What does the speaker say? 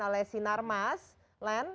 oleh sinarmas land